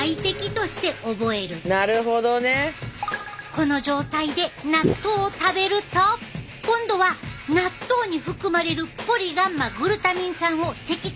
この状態で納豆を食べると今度は納豆に含まれるポリガンマグルタミン酸を敵と判断！